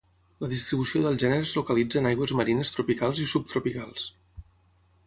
La distribució del gènere es localitza en aigües marines tropicals i subtropicals.